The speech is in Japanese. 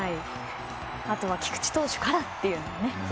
あとは菊池投手からというね。